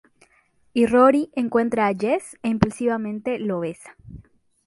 Y Rory encuentra a Jess e impulsivamente lo besa.